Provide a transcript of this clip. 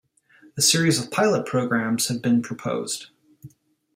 A series of pilot programs have been proposed.